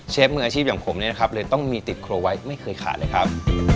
มืออาชีพอย่างผมเนี่ยนะครับเลยต้องมีติดครัวไว้ไม่เคยขาดเลยครับ